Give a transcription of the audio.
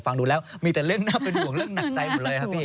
ฟังดูแล้วมีแต่เรื่องน่าเป็นห่วงเรื่องหนักใจหมดเลยครับพี่